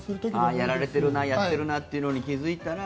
やられてるなやっているなというのに気付いたら。